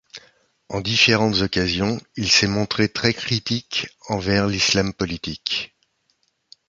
En différentes occasion il s'est montré très critique envers l'islam politique.